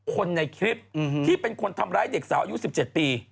คนในคลิปที่เป็นคนทำร้ายเด็กสาวอายุ๑๗ปี